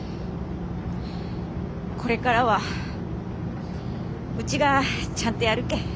これからはうちがちゃんとやるけん。